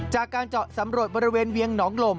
จากการเจาะสำรวจบริเวณเวียงหนองลม